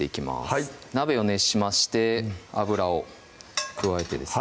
はい鍋を熱しまして油を加えてですね